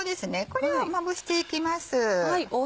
これをまぶしていきます。